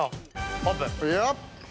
オープン。